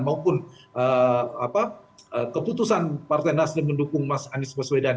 maupun keputusan partai nasdem mendukung mas anies baswedan